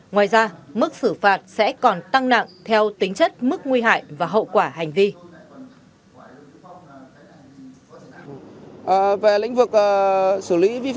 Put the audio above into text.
ngoài ra mức xử phạt sẽ còn tăng nặng theo tính chất mức nguy hại và hậu quả hành vi